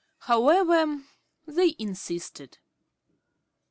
However, they insisted.